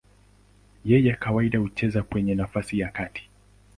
Yeye kawaida hucheza kwenye nafasi ya katikati.